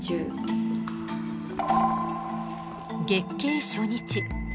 月経初日